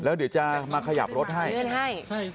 แล้วเดี๋ยวจะมาขยับรถให้เดี๋ยวจะมาขยับรถให้